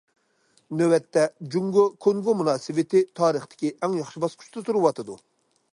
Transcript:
نۆۋەتتە، جۇڭگو- كونگو مۇناسىۋىتى تارىختىكى ئەڭ ياخشى باسقۇچتا تۇرۇۋاتىدۇ.